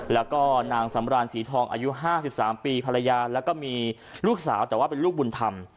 แล้วก็นางสำราญศรีทองอายุ๕๓ปีภรรยาแล้วก็มีลูกสาวแต่ว่าเป็นลูกบุญธรรม